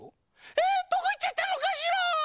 えどこいっちゃったのかしら？